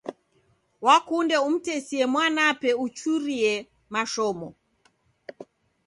Wakunde umtesie mwanape uchurie mashomo.